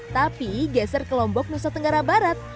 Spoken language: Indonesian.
tapi geser kelombok nusa tenggara barat